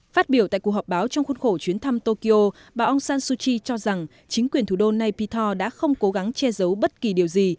phát biểu tại cuộc họp báo trong khuôn khổ chuyến thăm tokyo bà ông san suu kyi cho rằng chính quyền thủ đô nay pitor đã không cố gắng che giấu bất kỳ điều gì